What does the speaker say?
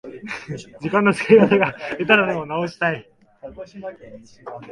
時間の使い方が下手なのを直したい